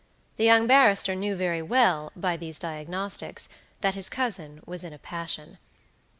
The young barrister knew very well, by these diagnostics, that his cousin was in a passion.